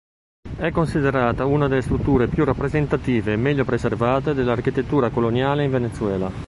È considerata una delle strutture più rappresentative e meglio preservate dell'architettura coloniale in Venezuela.